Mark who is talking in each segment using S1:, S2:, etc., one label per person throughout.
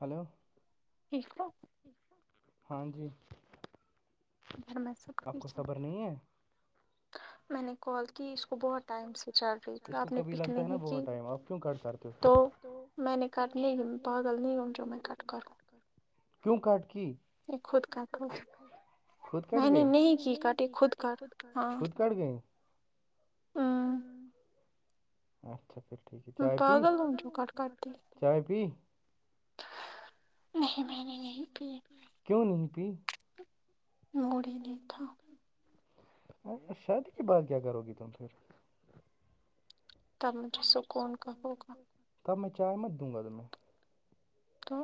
S1: hello
S2: ٹھیک ہے
S1: ہاں جی آپ کو صبر نہیں ہے
S2: میں نے کال کی اس کو بہت ٹائم سے چل رہی تھی آپ نے پک نہیں کی
S1: [unintelligible] کیوں کٹ کی خود کٹ گئے نہیں کی کاٹے کاٹے گئے اچھا پھر ٹھیک ہے چائے پی چائے پی
S2: نہیں میں نے نہیں پی
S1: کیوں نہیں پی
S2: موڑی نہیں تھا
S1: ا شادی کی بات کیا کرو گی تم پھر
S2: اب مجھے سکون کا ہوگا
S1: تب میں چائے مت دوں گا تمہیں
S2: تو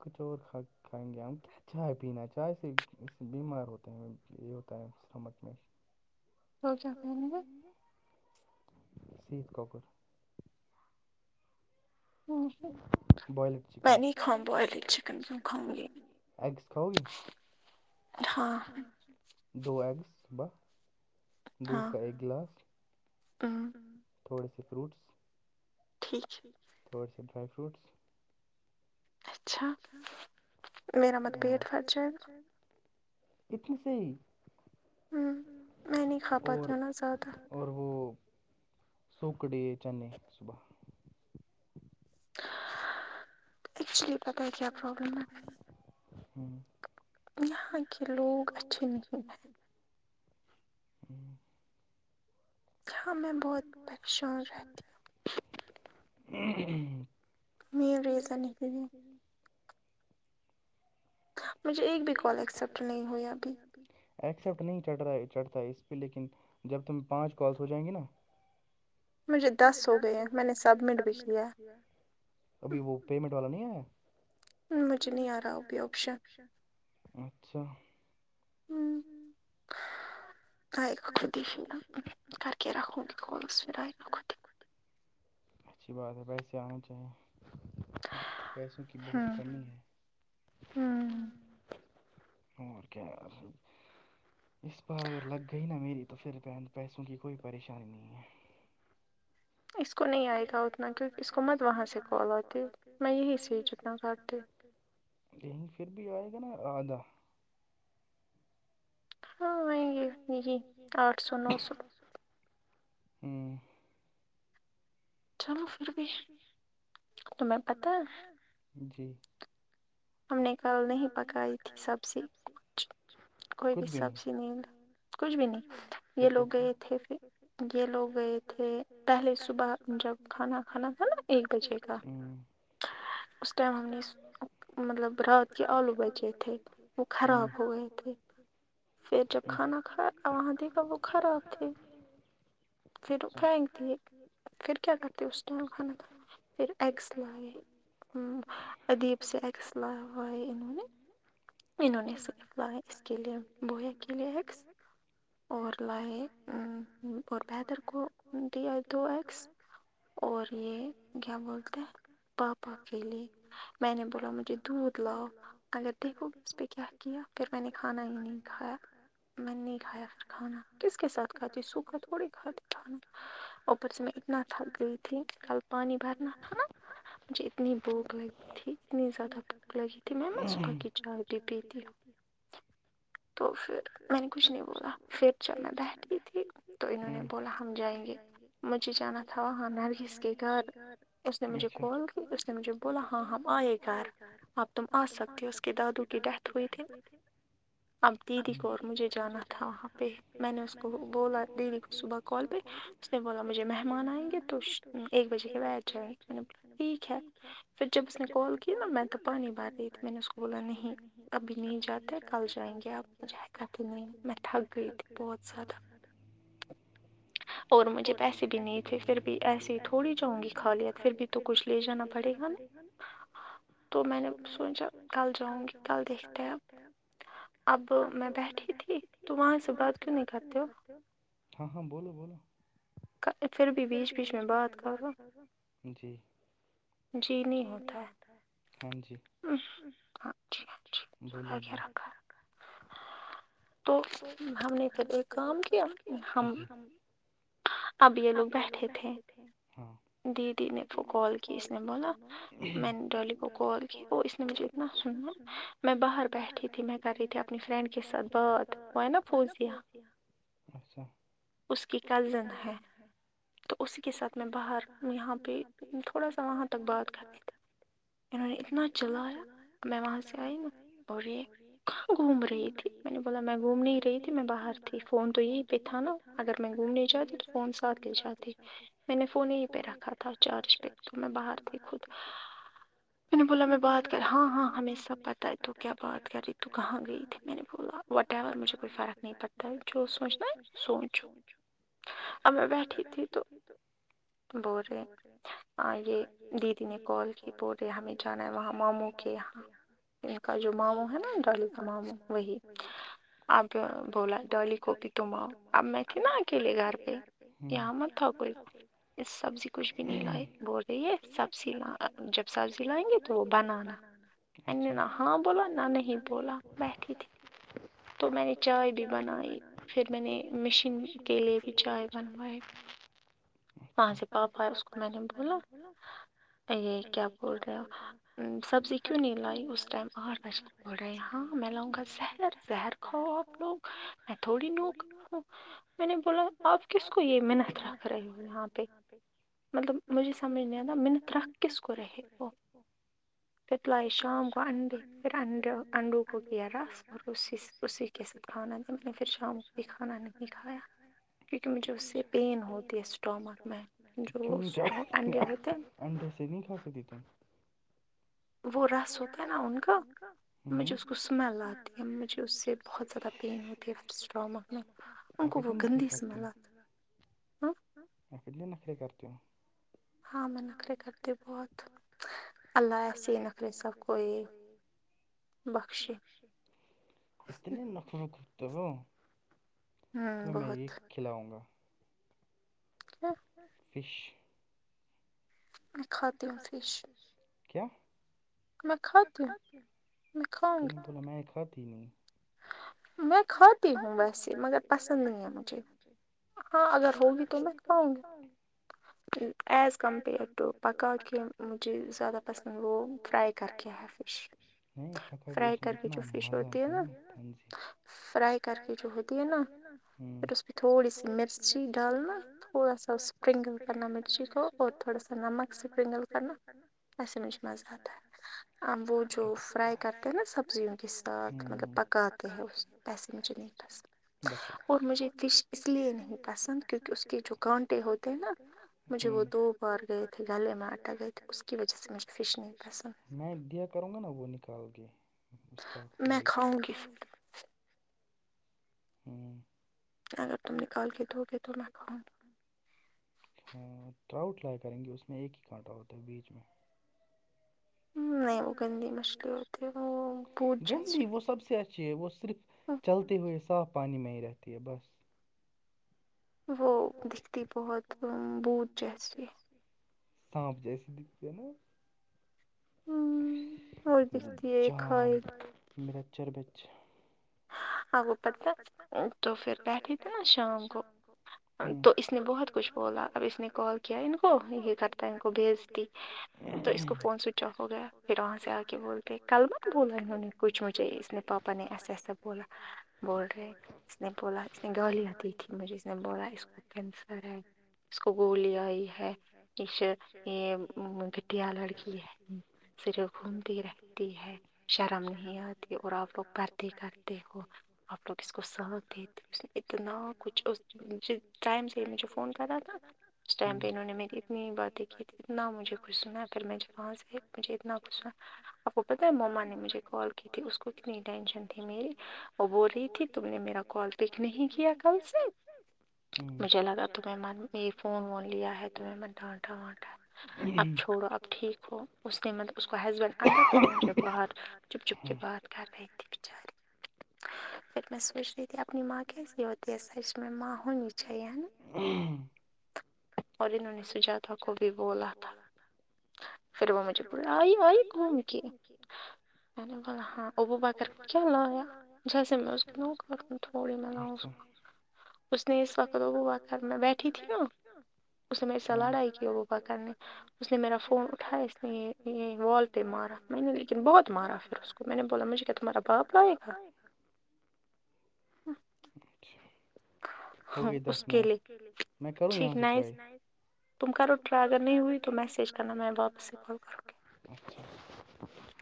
S1: کچور ہاک کانگ گےمت چائے پینا ہے چائے سے بیمار ہوتے ہیں یہ ہوتا ہے سٹمک میں شیت ککر
S2: ہاں
S1: کھاؤ گی دو ایگس واہ دودھ کا ایک گلاس
S2: ہاں
S1: تھوڑے سے فروٹس
S2: ٹھیک ہے
S1: تھوڑ س ڈرائی فروٹس اچھا میرے کا پلیٹ پٹ جائے گا اتنی صحی اور اور وہ سوکڑیے چنے صبح
S2: ایکچولیے پتہ ہے کیا پرابلم ہے یہاں کے لوگ اچھے نہیں ہیں
S1: ہوں
S2: ہاں میں بہت پریشان رہتی
S1: [unintelligible] ہ
S2: می ریزن نہیں مجھے ایک بھی کال ایکسیپٹ نہیں ہوئی ابھی
S1: ایکسیپٹ نہیں چڑھ رہا ہے چڑھتا ہے اس پہ لیکن جب تم پانچ کالس ہو جائیں گے نا
S2: مجھے دس ہو گئے ہیں میں نے سبمٹ بھی کیا ہے
S1: ابھی وہ پیمنٹ والا نہیں آیا
S2: مجھے نہیں آ رہا ہو بھی آپشن
S1: اچھا
S2: آئے گا خدیش کر کے رکھو گی کال پے آئے گا
S1: اچھی بات ہے پیسے آنا چاہیے کیونکہ پیسوں کی بہت کمی ہے اور کیا اس بار اگر لگ گئی نا میری تو پھر پیسوں کی کوئی پریشانی نہیں ہے
S2: اس کو نہیں آئے گا اتنا کیونکہ اس کو مت وہاں سے کال آتی میں یہی سے ہی جتنا کاٹتی
S1: یہیں پھر بھی آئے گا نا آدھا
S2: ہاں وہ یہ یہی آٹھ سو نو سو
S1: ہوں
S2: چلو پھر بھی تمہں پتا ہے
S1: جی
S2: ہم نے کل نہیں پکائی تھی سبزی کچھ کوئی بھی سبزی نلا کچھ بھی نہیں یہ لوگ گئے تھے پھر یہ لوگ گئے تھے پہلے صبح جب کھانا کھانا کھانا ایک بجے کا اس ٹائم ہم نے مطلب رات کے آلو بچے تھے وہ خراب ہو گئے تھے پھر جب کھانا کھا وہاں دیکھا تو وہ کھا رہا تھے پھر پھینگتی پھر کیا کرتی اس ٹائم کھانے کا پھر ایگس لاے ہ ادیب سے ایگس
S1: [unintelligible]
S2: انہوں نے صف لاے اس کے لیے بو ا کے لیے ہے ایگس اور لائے ا اور بیدر کو دئے دو ایگس اور یہ کیا بولتے ہیں پاپا کے لیے میں نے بولا مجھے دودھ لاؤ اگر دیکھو اسس پہ کیا کیا پھر میں نے کھانا ہی نہیں کھایا میں نے نہیں کھایا پھر کھانا کس کے ساتھ کھاتی سوکھا تھوڑی کھاتی کھانا اوپر سے میں اتنا تھک گئی تھی کل پانی بھرنا تھا نا مجھے اتنی بھوک لگی تھی اتنی زیادہ بھوک لگی تھی میں صبح کی چائے بھی پیتی
S1: تو پھر میں نے کچھ نہیں بولا پھر چاے میں بٹھ انہوں نے بولا ہم جائیں گے مجھے جانا تھا ہمارے کس کے گھر اسے مجھے کال اس نے مجھے بولا ہاں ہم آئے گھر اب تم آ سکتے ہو اس کے دادو [unintelligible] ہوئے تھے
S2: اب دیدی کو اور مجھے جانا تھا وہاں پہ میں نے اس کو بولا دیدی کو صبح کال پہ اس نے بولا مجھے مہمان آئیں گے تو ایک بجے کے بعد جائیں ٹھیک ہے پھر جب اس نے کال کی نہ میں تو پانی بھر رہی تھی میں نے اسکو بولا نہیں ابھی نہیں جاتے کل جائیں گے [unintelligible] میں تھک گئی تھی بہت زیادہ اور مجھے پیسے بھی نہیں تھے پھر بھی ایسے ہی تھوڑی جاؤں گی خالی ہاتھ پھر بھی تو کچھ لے جانا پڑے گا نا ہاں
S1: تو میں نے سوچا کل جاؤں گی کل دیکھتے ہیں اب میں بیٹھی تھی تو وہاں سے بات کیوں نہیں کرتے ہو ہاں ہاں بولو بولو پھر بھی بیچ بیچ میں بات کرو جی جی نہیں ہوتا ہاں جی بولیے جی
S2: تو ہم نے پھر یہ کام کیا ہم اب یہ لوگ بیٹھے تھے دیدی نے کال کی اس نے بولا میں نے ڈالی کو کال کی وہ اس نے مجھے میں باہر بیٹھی تھی میں کر رہی تھی اپنی فرینڈ کے ساتھ بات
S1: وہ ہے نا فوزیہ اس کی کزن ہے
S2: تو اسی کے ساتھ میں باہر یہاں پہ تھوڑا سا وہاں تک بات کرتی تھی انہوں نے اتنا چلایا میں وہاں سے آئی نا اور یہ کہاں گھوم رہی تھی میں نے بولا میں گھوم نہیں رہی تھی میں باہر تھی فون تو یہی پہ تھا نا اگر میں گھومنے جاتی تو فون ساتھ لے جاتی میں نے فون یہیں پہ رکھا تھا چارج پہ تو میں باہر تھی خود میں نے بولا میں بات کر ہاں ہاں ہمییں سب پتہ ہے تو کیا بات کر رہی تو کہاں گئی تھی میں نے بولا وٹ ایور مجھے کوئی فرق نہیں پڑتا جو سوچنا ہے سونچو آب میں بیٹھی تھی تو بول رہے یہ دیدی نے کال کی بول رہے ہمیں جانا ہے وہاں ماموں کے یہاں ان کا جو ماموں ہے نا ڈالی کا ماموں وہی
S1: اب بولا ڈالی کو کے تم اؤ اب میں تھی نا اکیلے گھر پ یہاں مت اؤ کوئی سبزی بول رہی سبزی جب سبزی لائیں گے تو وہ بنانا اچھا میں نے نہ ہاں بولا نہ نہیں بولا تو میں نے چائے بھی بنائی پھر میں نے مشین پہ چائے بنائی
S2: ہاں جی پاپ ہے اس کو میں نے بولا یہ کیا بول رہے ہو سبزی کیوں نہیں لائی اس ٹائم باہر بول رہے ہاں میں لاؤں کاں سے زہر کھاؤ آپ لوگ میں تھوڑی نو ہ میں نے بولا آپ کس کو یہ منت رکھ رہے ہو یہاں پہ مطلب مجھے سمجھ نہیں آتا میںنت رکھ کس کو رہے وہ پتلائے شام کو انڈے پھر انڈے انڈوں کو کیا رس اور اسی اسی کے ساتھ کھانا تھا میں نے پھر شام بھی کھانا نہیں کھایا
S1: سے پین ہوتی ہے اسٹامک میں کیوں نہیں کیا اڈ سےے نہیں کاسو ت ت [unintelligible]
S2: وہ رس ہوتا ہے نا ان کا مجھے اس کو سمیل آتی ہے مجھے اس سے بہت زیادہ پین ہوتی ہے اسٹامک میں ان کو وہ گندی اسمیل آتی ہوں
S1: میرے لیے نخرے کرتی ہوں
S2: ہاں میں نخرے کرتی ہ بہت اللہ ایسے نخرے سب کوئی بخشے
S1: اتنے نخرے ہو تمہیں میں یہ کھلاؤں گا فش میں کھاتی ہوں فش کیا میں کھاتی ہوں تم کھاتی ہی نہیں
S2: میں کھاتی ہوں ویسے مگر پسند نہیں ہے مجھے ہاں اگر ہوگی تو میں کھاؤں گی ایز کمپیئر ٹو پکا کے مجھے زیادہ پسند وہ فرائی کر فش فرائی کر کے جو فش ہوتی ہے نا
S1: فرائی کر کے جو ہےتی ہے نا پھر اس پ تھوڑی سی مرچی ڈالنا تھڑا اسپرنگل کرنا مرچی کو اور تھوڑا سا نمک اسپرنگل کرنا
S2: ایسے مجھے مزہ آتا ہے وہ جو فرائی کرتے ہیں نا سبزیوں کے ساتھ مطلب پک کاتے ہیں
S1: اور مجھے فش اس لیے نہیں پسند کیونکہ اس کے جو کانٹے ہوتے نا مجھے وہ دو بہر گئے تھے گلے میں آٹا گئے تھے اس کی وجہ سے مجھہے فش نہیں پ میں دیا کروں گا نا وہ نکال کے اس کا میں کھاؤ گی ہوں
S2: اگر تم نکال کے دو گے تو میں کھاؤ گی
S1: ہاں تھراؤٹ لائی کریں گے اس میں ایک ہی کانٹا ہوتا ہے بیچ میں [unintelligible] جی وہ صرف چلتے ہوئے صاف پانی میں
S2: وہ دکھتی بہت بت جیسی
S1: سانپ جیسی دکھتی ہے نا میری جان میرچر ب
S2: آپ کو پتا ہے تو پھر بٹھے تھے نا شام کو تو اس نے بہت کچھ بولا اب اس نے کال کیا ان کو یہ کرتا ان کو بھیج دی تو اس کو فون سوچ ہو گیا پھر وہاں سے آ کے بول گئے کل مت بولا انوں نے کچھ مجھے اس نے پاپا نے ایسا ایسا
S1: [unintelligible]
S2: انسر اس کو گولی آئی ہے کش یہ گٹیا لڑکی بھی ہے صرف گھومتی رہتی ہے شرم حیا نہیں آتی اور آپ لوگ کرتے کرتے دیکھو آپ لوگ اس کو ساتھ دے تو اس اتنا کچھ اس ٹائم سے ہی مجھے فون کر رہا تھا اس ٹائم پہ انہوں نے میری اتنی باتیں کی تھی اتنا مجھے کچھ سنا ہے پھر میں جا پ ایک اتنا کچھ آپ کو پتا مما نے مجھے کال کی تھی اس کو کتنی ٹینشن تھی میری وہ بول رہی تھی تم نے میرا کال پیک نہیں کیا کل سے مجھے لگا تمہیں من یہ فون وون لیا ہے تمہیں من ڈانٹا وانٹا اپ چھوڑو اپ ٹھیک ہو اس نے مطلب اس کو ہسبینڈ اندر تھا مجھے باہر چپ چپ کے بات کر رہی تھی بچاری [unintelligible] پھر میں سوچ رہی تھی اپنی ماں کیسی ہوتی ہے س میں ماں ہونی چاہیے ہے نا اور اننہوں نے سجاتا کو بھی بولا تھا پھر وہ مجھے بول آئی آئی گھوم کے میں نے بولا ہاں ابو بکر کو کیا لایا چلو تھوڑی نالوں اس کو اس نے اس وقت واکر میں بیٹھی تھی نا اس نے م سا لڑائی کیا وہ پ کر نے اس نے میرا فون اٹھایا اس نے وال مارا میں نے لیکن بہت مارا پھر اس کو میں نے بولا مجھے کہ تمہار باپ لائے گا
S1: [unintelligible]
S2: [unintelligible]
S1: اچھا ہو گئی دس منٹ میں کروں یہاں سے ٹرائی
S2: تم کرو ٹرے اگر نہیں ہوئی تو میسیج کرا نا میں واپس کی کال کرو
S1: [unintelligible]